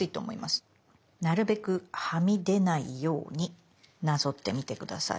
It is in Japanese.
なるべくはみ出ないようになぞってみて下さい。